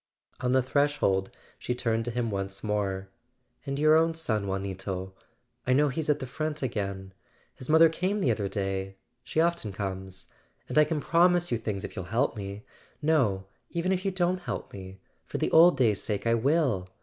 On the threshold she turned to him once more. "And your own son, Juanito—I know he's at the front again. His mother came the other day—she often comes. And I can promise you things if you'll help me. No, even if you don't help me—for the old days' sake, I will!